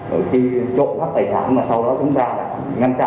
và khi trộn các tài sản mà sau đó chúng ta ngăn chặn